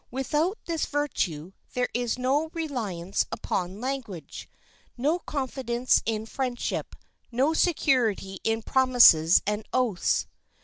Without this virtue, there is no reliance upon language, no confidence in friendship, no security in promises and oaths.